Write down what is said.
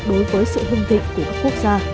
đối với sự hưng tịnh của các quốc gia